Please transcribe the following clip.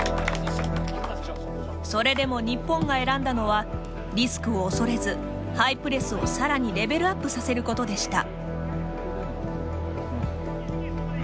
それでも日本が選んだのはリスクを恐れずハイプレスをさらにレベルアップさせることでした。